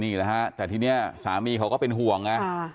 นี่แหละฮะแต่ทีนี้สามีเขาก็เป็นห่วงไง